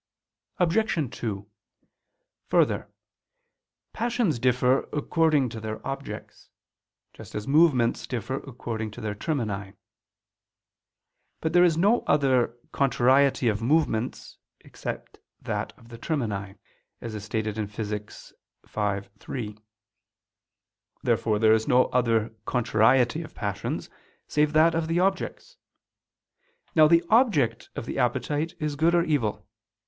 Obj. 2: Further, passions differ according to their objects; just as movements differ according to their termini. But there is no other contrariety of movements, except that of the termini, as is stated in Phys. v, 3. Therefore there is no other contrariety of passions, save that of the objects. Now the object of the appetite is good or evil.